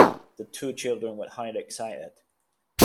The two children were highly excited.